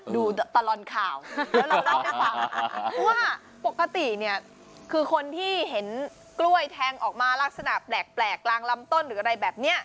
ดูตะตะลอนข่าวตะลอนตะลอนข่าวว่าปกติเนี้ยคือคนที่เห็นกล้วยแทงออกมาลักษณะแปลกแปลกกลางลำต้นหรืออะไรแบบเนี้ย